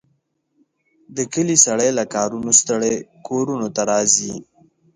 د کلي سړي له کارونو ستړي کورونو ته راځي.